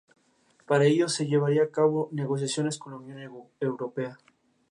Para ello se llevaría a cabo negociaciones con la Unión Europea.